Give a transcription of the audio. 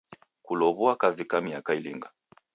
Kulow'ua kavika miaka ilinga?.